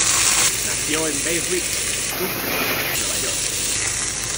Nació en Bay Ridge, Brooklyn, Nueva York.